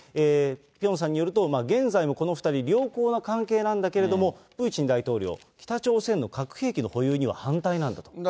ピョンさんによると、現在もこの２人、良好な関係なんだけど、プーチン大統領、北朝鮮の核兵器の保有には反対なんだと。